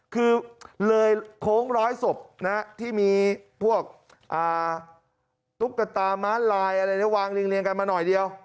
คือเลยโค้งร้อยศพนะที่มีพวกตุ๊กตาม้าลายอะไรวางเรียงกันมาหน่อยเดียว